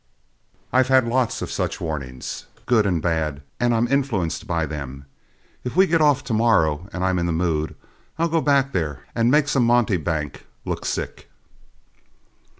I've had lots of such warnings, good and bad, and I'm influenced by them. If we get off to morrow, and I'm in the mood, I'll go back there and make some monte bank look sick."